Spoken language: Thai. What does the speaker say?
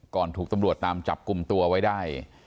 ถูกตำรวจตามจับกลุ่มตัวไว้ได้